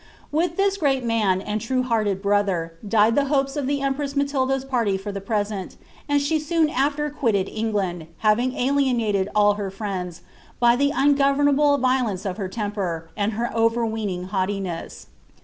With this great man, and true hearted brother, died the hopes of the empress Matilda^s party for the present, and she soon af\er quilted England, having alien ■teff all her friends, by the ungovernable violence of her temper, and her overweening haughtiness.